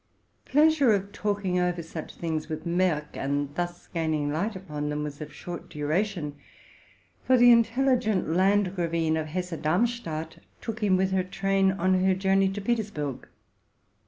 The pleasure of talking over such things with Merck, and thus gaining light upon them, was of short duration ; for the intelligent Landgravi ine of Hesse Darmstadt took him with her train on her journey to Petersburg.